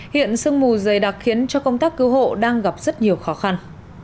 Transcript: hiện sương mù dày đã khiến cho công tác cứu hộ đang gặp rất nhiều khó khăn